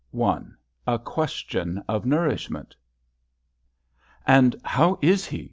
A QUESTION OF NOURISHMENT. "And how is he?"